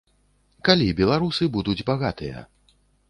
Калі беларусы будуць багатыя?